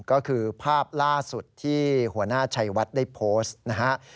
ก็คือภาพล่าสุดที่หัวหน้าชัยวัดได้โพสต์นะฮะ